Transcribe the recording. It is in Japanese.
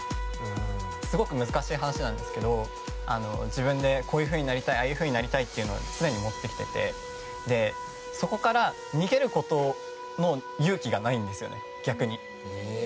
すごく難しい話なんですけど自分でこういうふうになりたいああいうふうになりたいと常に思っていてそこから逃げることの勇気がないんですよね、逆に。